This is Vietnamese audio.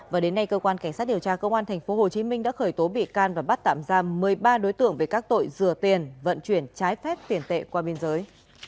và đến nay cơ quan cảnh sát điều tra công an tp hcm đã khởi tố bị can và bắt tạm giam một mươi ba đối tượng về các tội dừa tiền vận chuyển trái phép tiền tệ qua biên giới